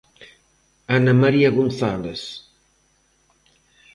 Ana María González.